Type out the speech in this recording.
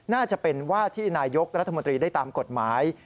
น่าจะเป็นว่าที่นายกรัฐมนตรีได้ตามกฎหมาย